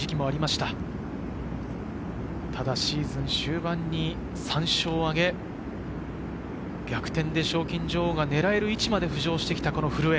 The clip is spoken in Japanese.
ただシーズン終盤に３勝を挙げて逆転で賞金女王が狙える位置まで浮上してきた古江。